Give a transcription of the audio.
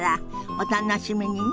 お楽しみにね。